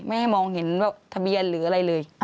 ไม่ให้มองเห็นว่าทะเบียนหรืออะไรเลย